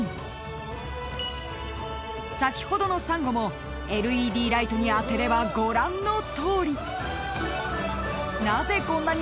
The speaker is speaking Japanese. ［先ほどのサンゴもＬＥＤライトに当てればご覧のとおり］